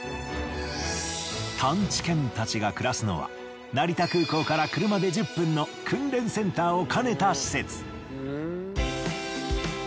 探知犬たちが暮らすのは成田空港から車で１０分の訓練センターを兼ねた施設。